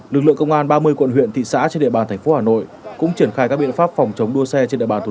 lực lượng công an ba mươi quận huyện thị xã trên địa bàn thành phố hà nội cũng triển khai các biện pháp phòng chống đua xe trên địa bàn thủ